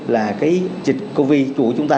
là cái dịch covid của chúng ta